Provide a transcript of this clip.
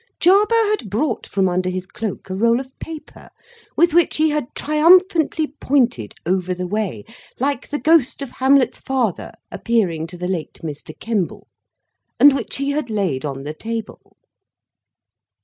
Jarber had brought from under his cloak, a roll of paper, with which he had triumphantly pointed over the way, like the Ghost of Hamlet's Father appearing to the late Mr. Kemble, and which he had laid on the table.